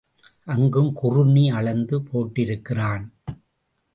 அங்கும் குறுணி அளந்து போட்டிருக்கிறான்.